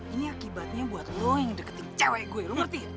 ini akibatnya buat lo yang deketin cewek gue lo ngerti